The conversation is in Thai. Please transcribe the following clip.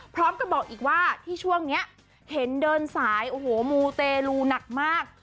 พร้อมกับบอกอีกว่าที่ช่วงนี้เห็นเดินสายโอ้โหมูเตลูหนักมาก